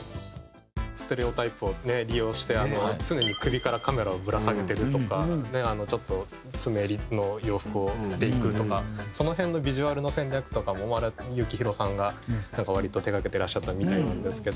ステレオタイプを利用して常に首からカメラをぶら下げてるとかちょっと詰め襟の洋服を着ていくとかその辺のビジュアルの戦略とかも幸宏さんが割と手がけてらっしゃったみたいなんですけど。